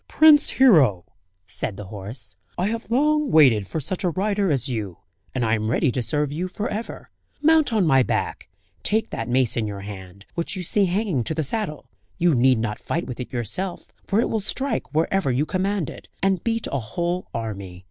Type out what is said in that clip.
"Prince Hero!" said the horse, "I have long waited for such a rider as you, and I am ready to serve you for ever. Mount on my back, take that mace in your hand, which you see hanging to the saddle; you need not fight with it yourself, for it will strike wherever you command it, and beat a whole army.